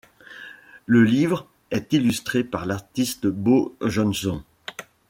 Le livre est illustré par l'artiste Bo Jonzon.